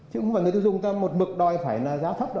chứ không phải người dân dùng ta một bực đòi phải là giá thấp